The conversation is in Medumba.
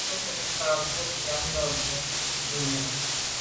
Mvə̌ cúp mbə̄ ká bù brók á lá mbrə̀ bú bə̂ nyə̀m.